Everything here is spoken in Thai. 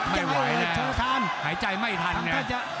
ไม่ไหวแล้วหายใจไม่ทัน